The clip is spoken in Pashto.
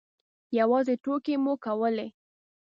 یوازې ټوکې مو کولې.